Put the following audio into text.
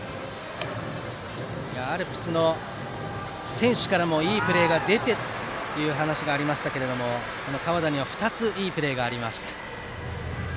アルプスの選手からもいいプレーが出て、という話がありましたが河田には２ついいプレーがありました。